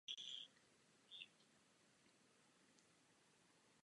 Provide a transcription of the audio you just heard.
Velryby se také učí zpívat jako lidé.